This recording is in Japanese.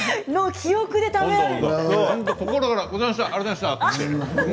記憶で食べられる。